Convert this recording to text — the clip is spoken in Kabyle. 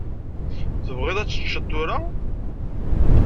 Tebɣiḍ ad teččeḍ tura?